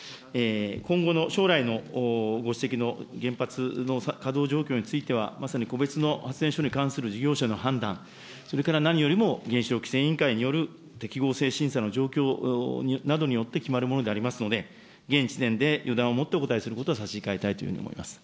今後の、将来の、ご指摘の原発の稼働状況については、まさに個別の発電所に関する事業者の判断、それから何よりも原子力規制委員会による適合性審査の状況などによって決まるものでありますので、現時点で予断を持ってお答えすることは差し控えたいというふうに思います。